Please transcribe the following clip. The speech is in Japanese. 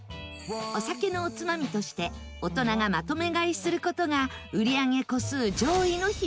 お酒のおつまみとして大人がまとめ買いする事が売上個数上位の秘密